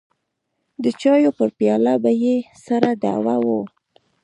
د چايو پر پياله به يې سره دعوه وه.